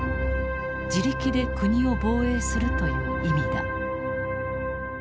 自力で国を防衛するという意味だ。